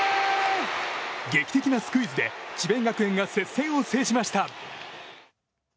劇的なスクイズで智弁学園が接戦を制しました。